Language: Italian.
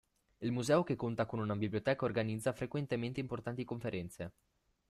Il museo che conta con una biblioteca organizza frequentemente importanti conferenze.